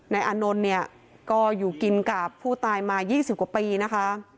อานนท์เนี่ยก็อยู่กินกับผู้ตายมา๒๐กว่าปีนะคะ